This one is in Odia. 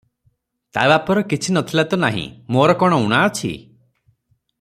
ତା ବାପର କିଛି ନ ଥିଲା ତ ନାହିଁ, ମୋର କଣ ଉଣା ଅଛି?